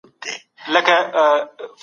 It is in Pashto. سالم ذهن خوښي نه خرابوي.